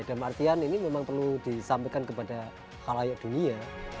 dan artian ini memang perlu disampaikan kepada halayak dunia